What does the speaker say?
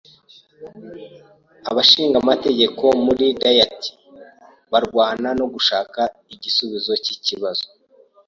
Abashingamategeko muri Diet barwana no gushaka igisubizo cyikibazo